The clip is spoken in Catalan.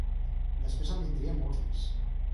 Després en vindrien molts més.